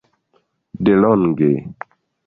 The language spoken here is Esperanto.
delonge